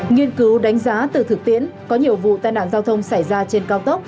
nghiên cứu đánh giá từ thực tiễn có nhiều vụ tai nạn giao thông xảy ra trên cao tốc